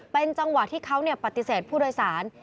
เป็นจังหวะที่เขาปฏิเสธผู้โดยสาร